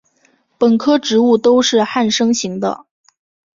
本科植物都是旱生型的。